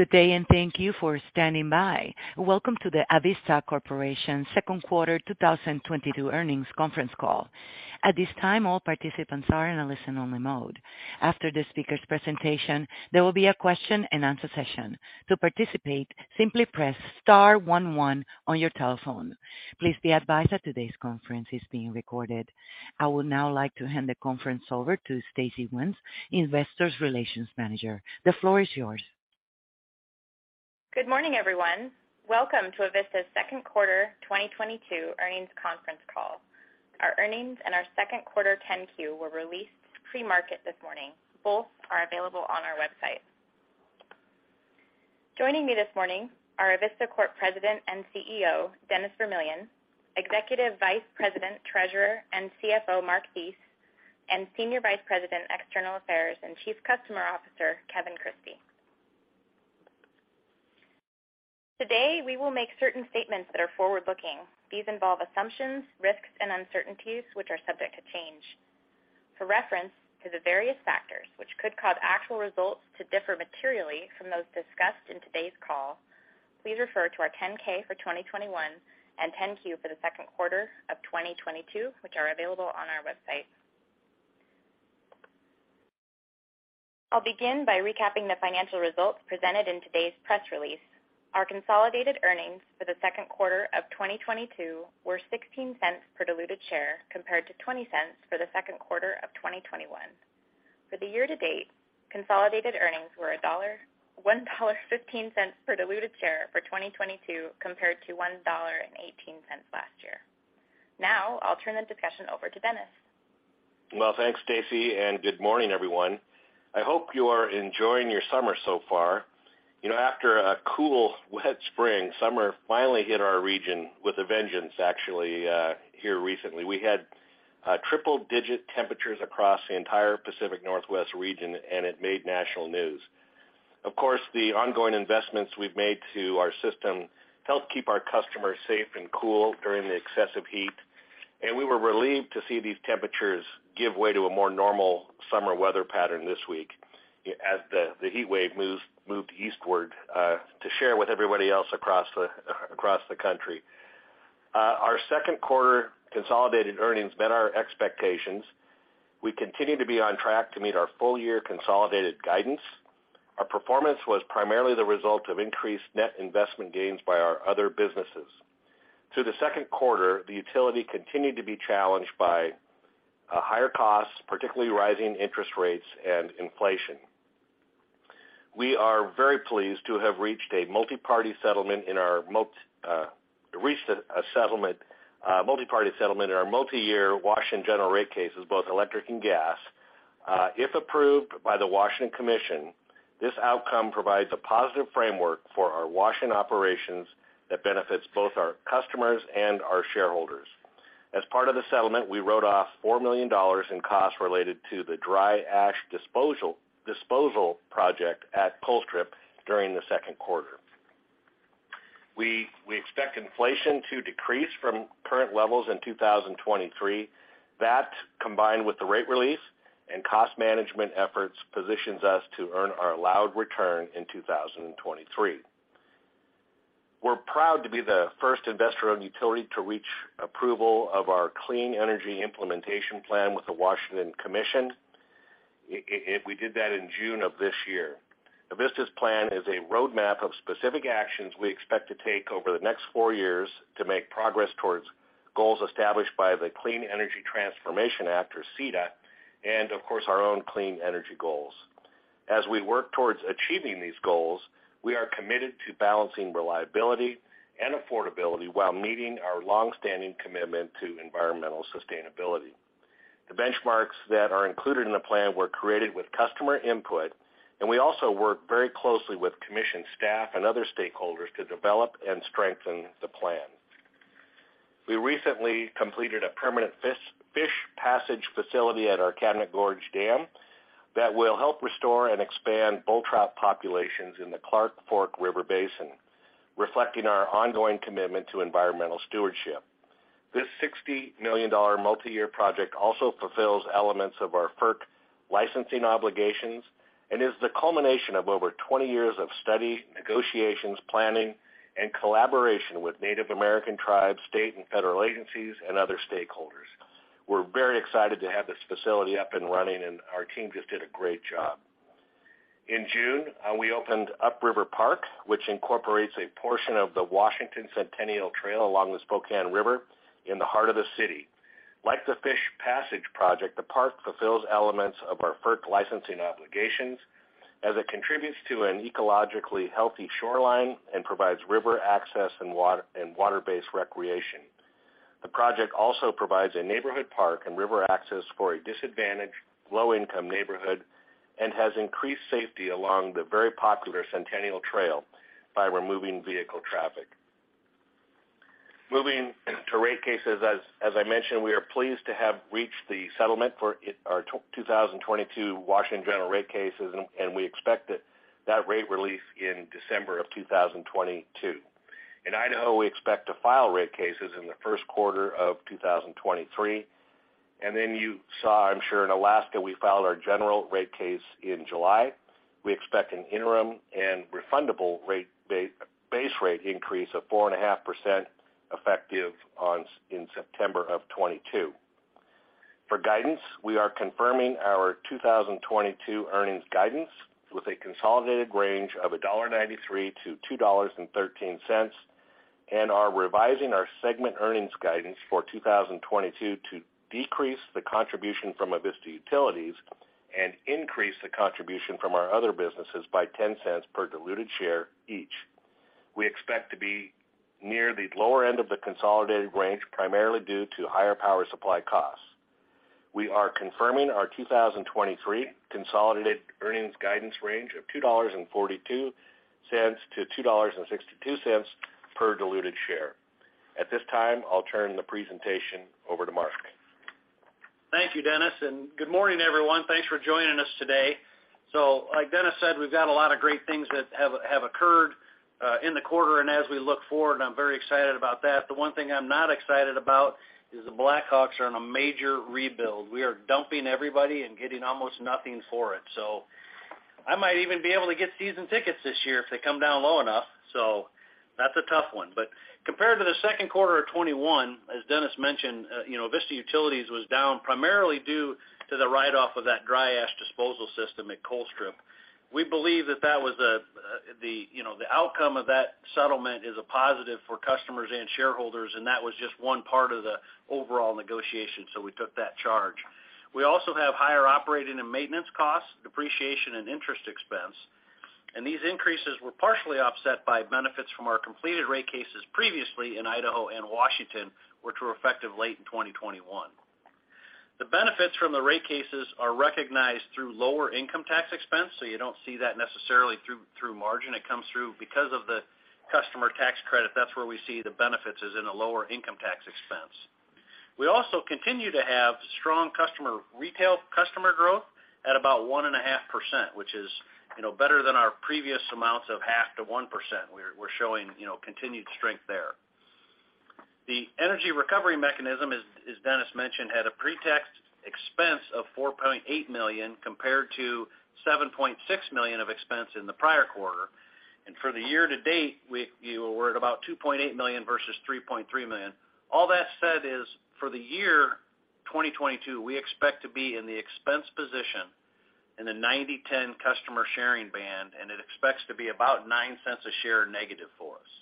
Good day and thank you for standing by. Welcome to the Avista Corporation Q2 2022 earnings conference call. At this time, all participants are in a listen-only mode. After the speaker's presentation, there will be a question-and-answer session. To participate, simply press star one one on your telephone. Please be advised that today's conference is being recorded. I would now like to hand the conference over to Stacey Wenz, Investor Relations Manager. The floor is yours. Good morning, everyone. Welcome to Avista's Q2 2022 earnings conference call. Our earnings and our Q2 10-Q, were released pre-market this morning. Both are available on our website. Joining me this morning are Avista Corp President and CEO, Dennis Vermillion, Executive Vice President, Treasurer and CFO, Mark Thies, and Senior Vice President, External Affairs and Chief Customer Officer, Kevin Christie. Today, we will make certain statements that are forward-looking. These involve assumptions, risks, and uncertainties, which are subject to change. For reference to the various factors which could cause actual results to differ materially from those discussed in today's call, please refer to our 10-K, for 2021 and 10-Q, for the Q2 of 2022, which are available on our website. I'll begin by recapping the financial results presented in today's press release. Our consolidated earnings for the Q2 of 2022 were $0.16 per diluted share compared to $0.20 for the Q2 of 2021. For the year to date, consolidated earnings were $1.15 per diluted share for 2022 compared to $1.18 last year. Now, I'll turn the discussion over to Dennis. Well, thanks, Stacey, and good morning, everyone. I hope you are enjoying your summer so far. You know, after a cool, wet spring, summer finally hit our region with a vengeance, actually, here recently. We had triple-digit temperatures across the entire Pacific Northwest region, and it made national news. Of course, the ongoing investments we've made to our system helped keep our customers safe and cool during the excessive heat, and we were relieved to see these temperatures give way to a more normal summer weather pattern this week as the heat wave moved eastward to share with everybody else across the country. Our Q2 consolidated earnings met our expectations. We continue to be on track to meet our full-year consolidated guidance. Our performance was primarily the result of increased net investment gains by our other businesses. Through the Q2, the utility continued to be challenged by higher costs, particularly rising interest rates and inflation. We are very pleased to have reached a multiparty settlement in our multi-year Washington general rate cases, both electric and gas. If approved by the Washington Commission, this outcome provides a positive framework for our Washington operations that benefits both our customers and our shareholders. As part of the settlement, we wrote off $4 million in costs related to the dry ash disposal project at Colstrip during the Q2. We expect inflation to decrease from current levels in 2023. That, combined with the rate release and cost management efforts, positions us to earn our allowed return in 2023. We're proud to be the first investor-owned utility to reach approval of our clean energy implementation plan with the Washington Commission. We did that in June of this year. Avista's plan is a roadmap of specific actions we expect to take over the next four years to make progress towards goals established by the Clean Energy Transformation Act, or CETA, and of course, our own clean energy goals. As we work towards achieving these goals, we are committed to balancing reliability and affordability while meeting our long-standing commitment to environmental sustainability. The benchmarks that are included in the plan were created with customer input, and we also work very closely with commission staff and other stakeholders to develop and strengthen the plan. We recently completed a permanent fish passage facility at our Cabinet Gorge Dam that will help restore and expand bull trout populations in the Clark Fork River Basin, reflecting our ongoing commitment to environmental stewardship. This $60 million multi-year project also fulfills elements of our FERC licensing obligations and is the culmination of over 20 years of study, negotiations, planning, and collaboration with Native American tribes, state and federal agencies, and other stakeholders. We're very excited to have this facility up and running, and our team just did a great job. In June, we opened Upriver Park, which incorporates a portion of the Washington Centennial Trail along the Spokane River in the heart of the city. Like the fish passage project, the park fulfills elements of our FERC licensing obligations as it contributes to an ecologically healthy shoreline and provides river access and water-based recreation. The project also provides a neighborhood park and river access for a disadvantaged, low-income neighborhood and has increased safety along the very popular Centennial Trail by removing vehicle traffic. Moving to rate cases, as I mentioned, we are pleased to have reached the settlement for our 2022 Washington general rate cases, and we expect that rate release in December of 2022. In Idaho, we expect to file rate cases in the Q1 of 2023. You saw, I'm sure, in Alaska, we filed our general rate case in July. We expect an interim and refundable rate base rate increase of 4.5% effective in September of 2022. For guidance, we are confirming our 2022 earnings guidance with a consolidated range of $1.93-$2.13, and are revising our segment earnings guidance for 2022 to decrease the contribution from Avista Utilities and increase the contribution from our other businesses by $0.10 per diluted share each. We expect to be near the lower end of the consolidated range, primarily due to higher power supply costs. We are confirming our 2023 consolidated earnings guidance range of $2.42-$2.62 per diluted share. At this time, I'll turn the presentation over to Mark Thies. Thank you, Dennis, and good morning, everyone. Thanks for joining us today. Like Dennis said, we've got a lot of great things that have occurred in the quarter and as we look forward, I'm very excited about that. The one thing I'm not excited about is the Blackhawks are on a major rebuild. We are dumping everybody and getting almost nothing for it. I might even be able to get season tickets this year if they come down low enough. That's a tough one. Compared to the Q2 of 2021, as Dennis mentioned, you know, Avista Utilities was down primarily due to the write-off of that dry ash disposal system at Colstrip. We believe that was the outcome of that settlement is a positive for customers and shareholders, and that was just one part of the overall negotiation, so we took that charge. We also have higher operating and maintenance costs, depreciation, and interest expense. These increases were partially offset by benefits from our completed rate cases previously in Idaho and Washington, which were effective late in 2021. The benefits from the rate cases are recognized through lower income tax expense, so you don't see that necessarily through margin. It comes through because of the customer tax credit, that's where we see the benefits is in a lower income tax expense. We also continue to have strong retail customer growth at about 1.5%, which is, you know, better than our previous amounts of 0.5%-1%. We're showing, you know, continued strength there. The Energy Recovery Mechanism, as Dennis mentioned, had a pre-tax expense of $4.8 million compared to $7.6 million of expense in the prior quarter. For the year to date, we're at about $2.8 million versus $3.3 million. All that said is, for the year 2022, we expect to be in the expense position in the 90/10 customer sharing band, and it expects to be about $0.09 a share negative for us.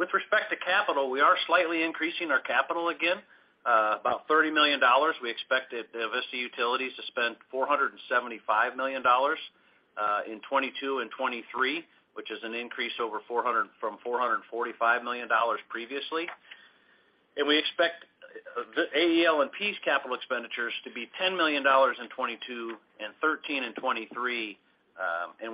With respect to capital, we are slightly increasing our capital again, about $30 million. We expect that Avista Utilities to spend $475 million in 2022 and 2023, which is an increase over $445 million previously. We expect the AEL&P capital expenditures to be $10 million in 2022 and $13 million in 2023.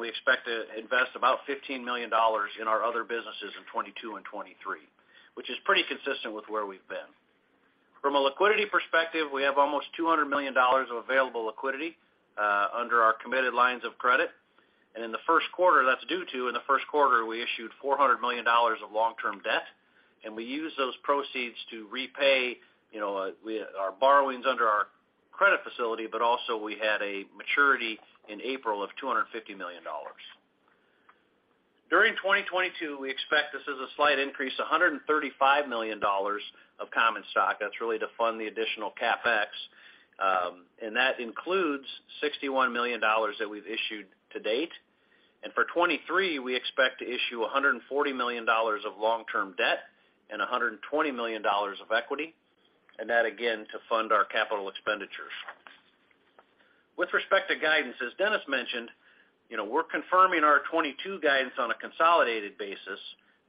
We expect to invest about $15 million in our other businesses in 2022 and 2023, which is pretty consistent with where we've been. From a liquidity perspective, we have almost $200 million of available liquidity under our committed lines of credit. In the Q1, we issued $400 million of long-term debt, and we used those proceeds to repay, you know, our borrowings under our credit facility, but also, we had a maturity in April of $250 million. During 2022, we expect this is a slight increase, $135 million of common stock. That's really to fund the additional CapEx, and that includes $61 million that we've issued to date. For 2023, we expect to issue $140 million of long-term debt and $120 million of equity, and that again, to fund our capital expenditures. With respect to guidance, as Dennis mentioned, you know, we're confirming our 2022 guidance on a consolidated basis,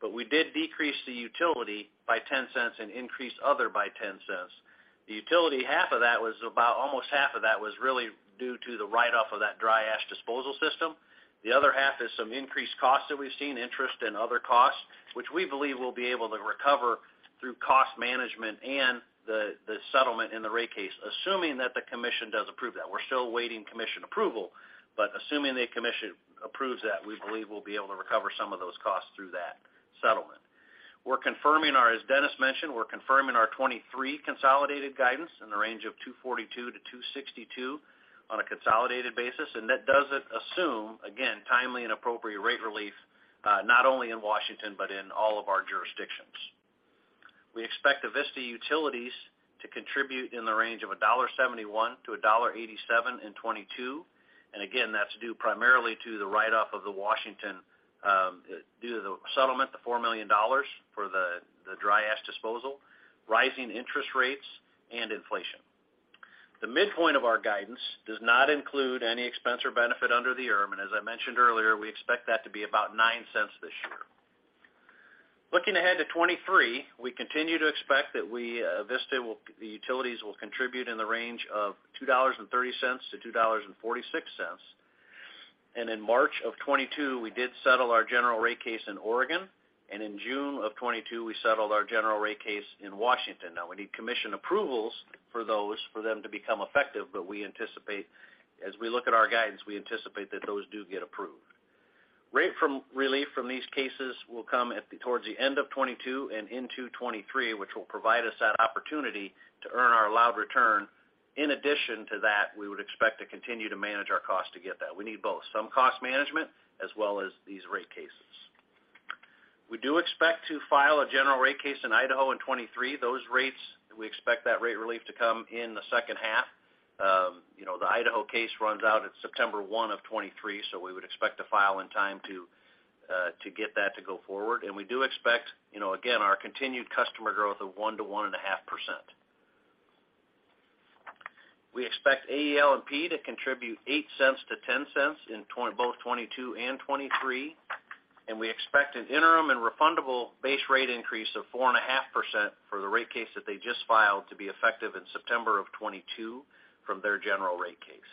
but we did decrease the utility by $0.10 and increased other by $0.10. The utility, almost half of that was really due to the write-off of that dry ash disposal system. The other half is some increased costs that we've seen, interest and other costs, which we believe we'll be able to recover through cost management and the settlement in the rate case, assuming that the commission does approve that. We're still awaiting commission approval. Assuming the commission approves that, we believe we'll be able to recover some of those costs through that settlement. As Dennis mentioned, we're confirming our 2023 consolidated guidance in the range of $2.42-$2.62 on a consolidated basis, and that doesn't assume, again, timely and appropriate rate relief, not only in Washington, but in all of our jurisdictions. We expect Avista Utilities to contribute in the range of $1.71-$1.87 in 2022. Again, that's due primarily to the write-off of the Washington due to the settlement, the $4 million for the dry ash disposal, rising interest rates, and inflation. The midpoint of our guidance does not include any expense or benefit under the ERM. As I mentioned earlier, we expect that to be about $0.09 this year. Looking ahead to 2023, we continue to expect that the utilities will contribute in the range of $2.30-$2.46. In March of 2022, we did settle our general rate case in Oregon, and in June of 2022, we settled our general rate case in Washington. Now we need commission approvals for those for them to become effective, but we anticipate, as we look at our guidance, we anticipate that those do get approved. Rate relief from these cases will come towards the end of 2022 and into 2023, which will provide us that opportunity to earn our allowed return. In addition to that, we would expect to continue to manage our cost to get that. We need both some cost management as well as these rate cases. We do expect to file a general rate case in Idaho in 2023. Those rates, we expect that rate relief to come in the second half. You know, the Idaho case runs out at September 1, 2023, so we would expect to file in time to get that to go forward. We do expect, you know, again, our continued customer growth of 1%-1.5%. We expect AEL&P to contribute $0.08-$0.10 in both 2022 and 2023, and we expect an interim and refundable base rate increase of 4.5% for the rate case that they just filed to be effective in September 2022 from their general rate case.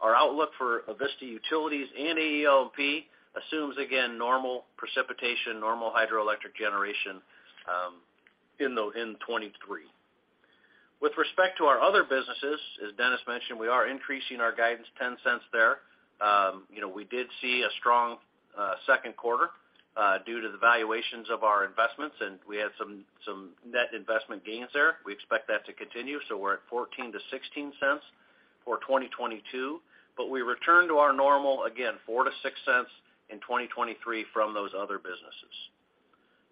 Our outlook for Avista Utilities and AEL&P assumes, again, normal precipitation, normal hydroelectric generation, in 2023. With respect to our other businesses, as Dennis mentioned, we are increasing our guidance $0.10 there. You know, we did see a strong Q2 due to the valuations of our investments, and we had some net investment gains there. We expect that to continue, so we're at $0.14-$0.16 for 2022, but we return to our normal, again, $0.04-$0.06 in 2023 from those other businesses.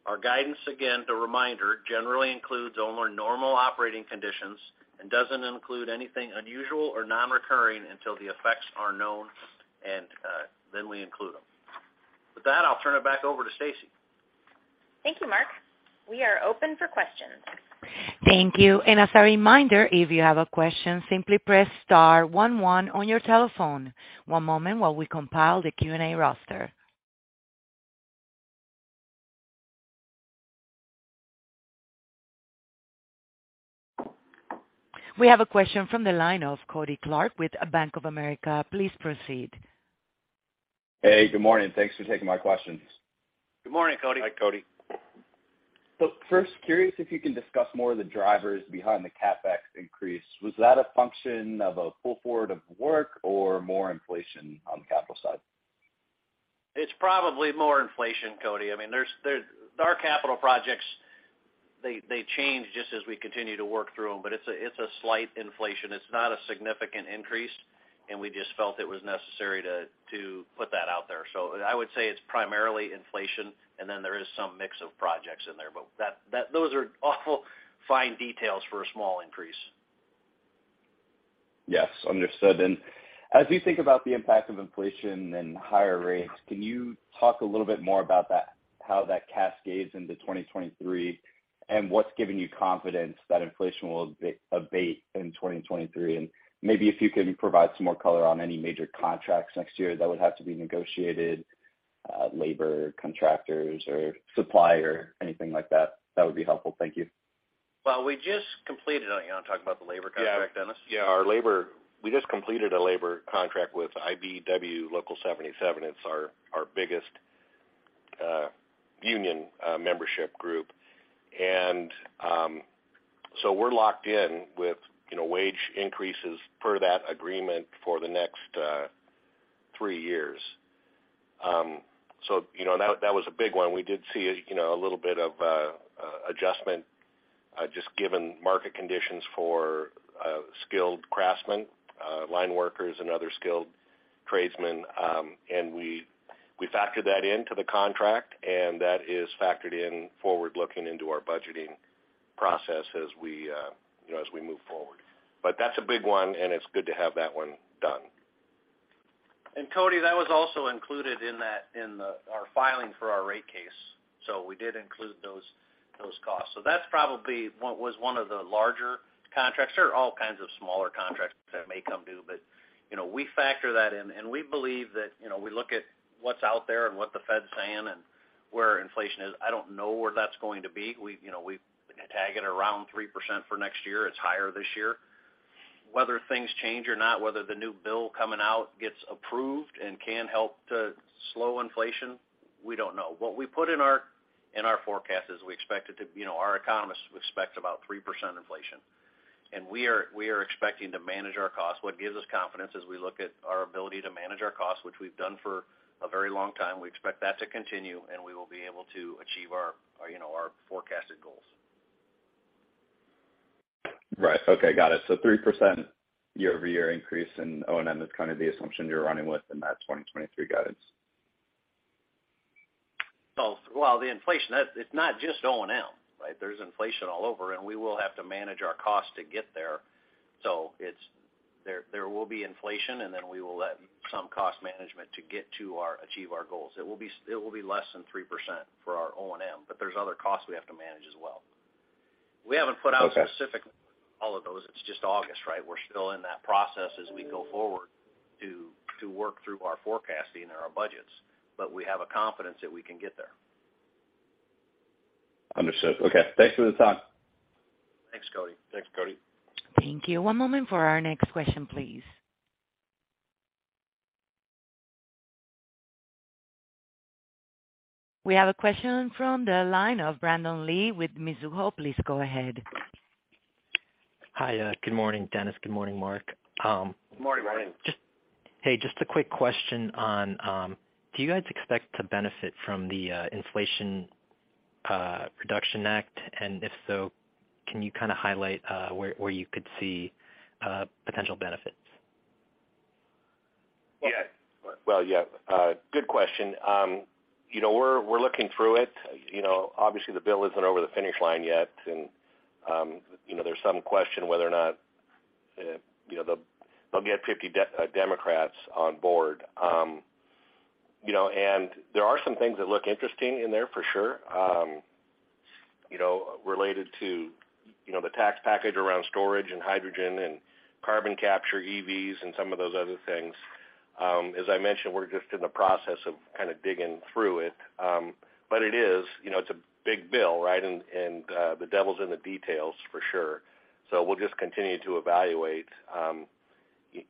Our guidance again, the reminder generally includes only normal operating conditions and doesn't include anything unusual or non-recurring until the effects are known and then we include them. With that, I'll turn it back over to Stacey. Thank you, Mark. We are open for questions. Thank you. As a reminder, if you have a question, simply press star one one on your telephone. One moment while we compile the Q&A roster. We have a question from the line of Julien Dumoulin-Smith with Bank of America. Please proceed. Hey, good morning. Thanks for taking my questions. Good morning, Cody. Hi, Julien Dumoulin-Smith. First, curious if you can discuss more of the drivers behind the CapEx increase? Was that a function of a pull forward of work or more inflation on the capital side? It's probably more inflation, Cody. I mean, there's our capital projects, they change just as we continue to work through them, but it's a slight inflation. It's not a significant increase, and we just felt it was necessary to put that out there. I would say it's primarily inflation, and then there is some mix of projects in there, but that those are awfully fine details for a small increase. Yes, understood. As you think about the impact of inflation and higher rates, can you talk a little bit more about that, how that cascades into 2023 and what's giving you confidence that inflation will abate in 2023? Maybe if you can provide some more color on any major contracts next year that would have to be negotiated, labor contractors or supply or anything like that. That would be helpful. Thank you. You wanna talk about the labor contract, Dennis? We just completed a labor contract with IBEW Local 77. It's our biggest union membership group. We're locked in with, you know, wage increases per that agreement for the next three years. You know, that was a big one. We did see a little bit of adjustment just given market conditions for skilled craftsmen, line workers and other skilled tradesmen. We factored that into the contract and that is factored in forward-looking into our budgeting process as we, you know, as we move forward. That's a big one, and it's good to have that one done. Cody, that was also included in our filing for our rate case. We did include those costs. That's probably one of the larger contracts. There are all kinds of smaller contracts that may come due, but, you know, we factor that in. We believe that, you know, we look at what's out there and what the Fed's saying and where inflation is. I don't know where that's going to be. We've, you know, we've tagged it around 3% for next year. It's higher this year. Whether things change or not, whether the new bill coming out gets approved and can help to slow inflation, we don't know. What we put in our forecast is we expect it to, you know, our economists expect about 3% inflation. We are expecting to manage our costs. What gives us confidence is we look at our ability to manage our costs, which we've done for a very long time. We expect that to continue, and we will be able to achieve our, you know, our forecasted goals. Right. Okay. Got it. 3% year-over-year increase in O&M is kind of the assumption you're running with in that 2023 guidance. Well, the inflation, that's not just O&M, right? There's inflation all over, and we will have to manage our costs to get there. There will be inflation, and then we will let some cost management to get to achieve our goals. It will be less than 3% for our O&M, but there's other costs we have to manage as well. We haven't put out Okay. It's just August, right? We're still in that process as we go forward to work through our forecasting and our budgets, but we have a confidence that we can get there. Understood. Okay. Thanks for the time. Thanks, Julien Dumoulin-Smith. Thanks, Julien Dumoulin-Smith. Thank you. One moment for our next question, please. We have a question from the line of Brandon Lee with Mizuho. Please go ahead. Hi. Good morning, Dennis. Good morning, Mark. Good morning, Brandon Lee. Hey, just a quick question on, do you guys expect to benefit from the Inflation Reduction Act? If so, can you kinda highlight where you could see potential benefits? Yeah. Well, yeah. Good question. You know, we're looking through it. Obviously the bill isn't over the finish line yet and, you know, there's some question whether or not, you know, they'll get 50 Democrats on board. You know, and there are some things that look interesting in there for sure, you know, related to, you know, the tax package around storage and hydrogen and carbon capture, EVs, and some of those other things. As I mentioned, we're just in the process of kinda digging through it. But it is, you know, it's a big bill, right? And the devil's in the details for sure. We'll just continue to evaluate,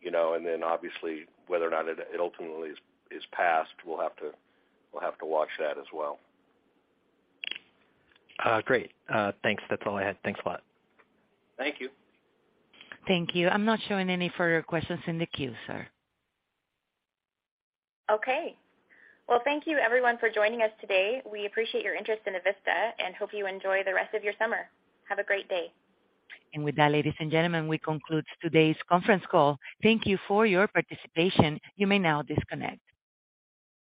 you know, and then obviously whether or not it ultimately is passed, we'll have to watch that as well. Great. Thanks. That's all I had. Thanks a lot. Thank you. Thank you. I'm not showing any further questions in the queue, sir. Okay. Well, thank you everyone for joining us today. We appreciate your interest in Avista and hope you enjoy the rest of your summer. Have a great day. With that, ladies and gentlemen, we conclude today's conference call. Thank you for your participation. You may now disconnect.